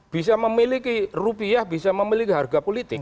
bisa memiliki rupiah bisa memiliki harga politik